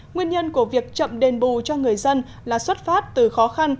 nguyên nhân của việc chậm đền bù cho người dân là xuất phát từ khó khăn